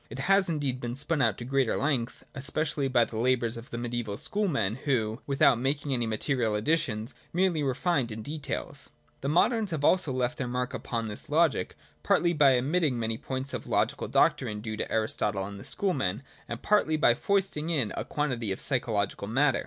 It has indeed been spun out to greater length, especially by the labours of the medieval Schoolmen who, without making any material additions, merely refined in details. The moderns also have left their mark upon this logic, partly by omitting many points of logical doctrine due to Aristotle and the Schoolmen, and partly by foisting in a quantity of psychological matter.